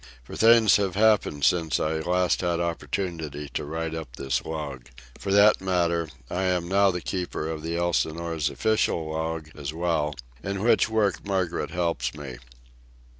For things have happened since last I had opportunity to write up this log. For that matter, I am now the keeper of the Elsinore's official log as well, in which work Margaret helps me.